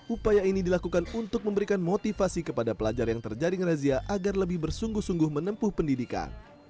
upaya ini dilakukan untuk memberikan motivasi kepada pelajar yang terjaring razia agar lebih bersungguh sungguh menempuh pendidikan